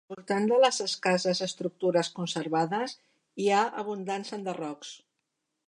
Al voltant de les escasses estructures conservades hi ha abundants enderrocs.